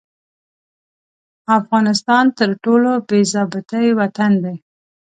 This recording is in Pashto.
افغانستان تر ټولو بې ضابطې وطن دي.